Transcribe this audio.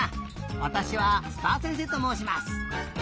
わたしはすたあせんせいともうします。